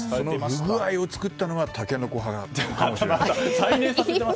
その不具合を作ったのはたけのこ派かもしれない。